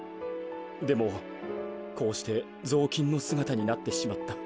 でもこうしてぞうきんのすがたになってしまった。